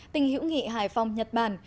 tình hữu nghị hải phòng nhật bản